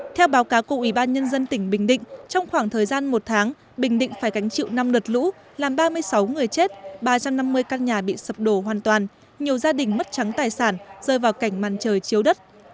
theo báo cáo của ủy ban nhân dân tỉnh bình định trong khoảng thời gian một tháng bình định phải gánh chịu năm đợt lũ làm ba mươi sáu người chết ba trăm năm mươi căn nhà bị sập đổ hoàn toàn nhiều gia đình mất trắng tài sản rơi vào cảnh màn trời chiếu đất